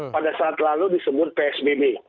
pada saat lalu disebut psbb